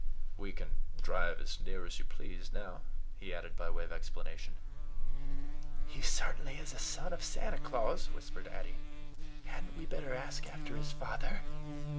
"We can drive as near as you please now," he added by way of explanation. "He certainly is a son of Santa Claus," whispered Addy. "Hadn't we better ask after his father?"